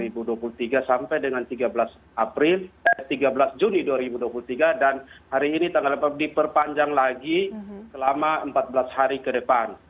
tiga puluh mei dua ribu dua puluh tiga sampai dengan tiga belas juni dua ribu dua puluh tiga dan hari ini tanggal dapat diperpanjang lagi selama empat belas hari ke depan